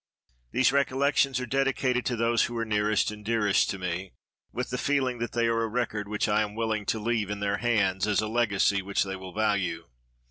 These Recollections are dedicated to those who are nearest and dearest to me, with the feeling that they are a record which I am willing to leave in their hands, as a legacy which they will value.